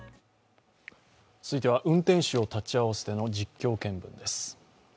続いては運転手を立ち会わせての実況見分です。